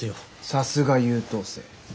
さすが優等生。